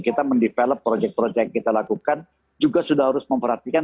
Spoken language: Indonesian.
kita mendevelop proyek proyek yang kita lakukan juga sudah harus memperhatikan